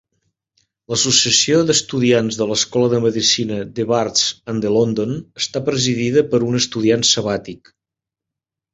L'associació d'estudiants de l'escola de medicina The Barts and The London està presidida per un estudiant sabàtic.